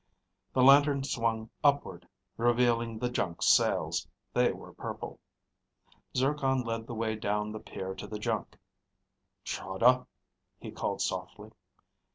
The lantern swung upward, revealing the junk's sails. They were purple. Zircon led the way down the pier to the junk. "Chahda?" he called softly.